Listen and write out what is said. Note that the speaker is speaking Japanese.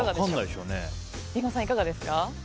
リンゴさん、いかがでしょう。